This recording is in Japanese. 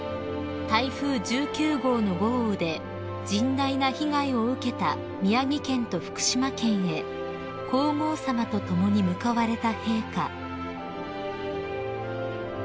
台風１９号の豪雨で甚大な被害を受けた宮城県と福島県へ皇后さまと共に向かわれた陛下］